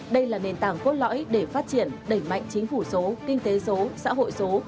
đây là nền tảng cốt lõi để phát triển đẩy mạnh chính phủ số kinh tế số xã hội số